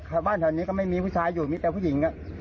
แถวบ้านแถวนี้ก็ไม่มีผู้ชายอยู่มีแต่ผู้หญิง